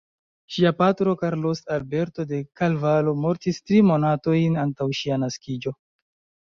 Ŝia patro Carlos Alberto de Carvalho mortis tri monatojn antaŭ ŝia naskiĝo.